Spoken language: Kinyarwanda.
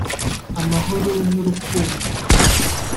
amahoro n’urukundo